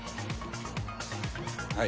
はい。